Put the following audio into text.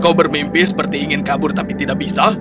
kau bermimpi seperti ingin kabur tapi tidak bisa